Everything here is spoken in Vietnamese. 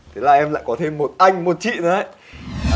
thế là em lại có thêm một anh một chị thôi đấy